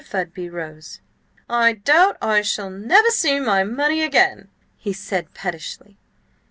Fudby rose. "I doubt I shall never see my money again," he said pettishly.